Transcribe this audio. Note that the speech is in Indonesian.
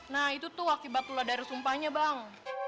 nah itu tuh akibat tuladara sumpahnya bang